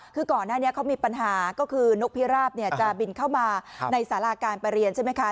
คือก่อนหน้านี้เขามีปัญหาก็คือนกพิราบจะบินเข้ามาในสาราการประเรียนใช่ไหมคะ